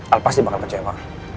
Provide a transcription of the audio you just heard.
al pasti bakal kecewa